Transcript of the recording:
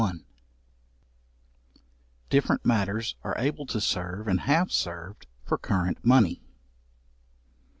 §41. Different matters are able to serve and have served for current money.